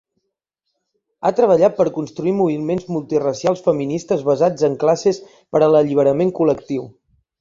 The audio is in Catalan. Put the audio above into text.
Ha treballat per construir moviments multiracials feministes basats en classes per a l'alliberament col·lectiu.